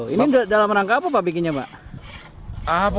ini dalam rangka apa pak bikinnya pak